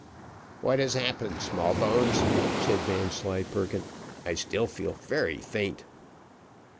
"What has happened, Smallbones?" said Vanslyperken. "I still feel very faint."